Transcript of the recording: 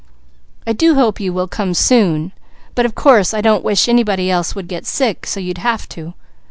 I do hope you will come soon, but of course I don't wish anybody else would get sick so you'd have to.